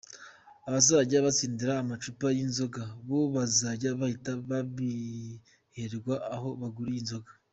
Abazajya batsindira amacupa y’inzoga, bo bazajya bahita babihererwa aho baguriye inzoga.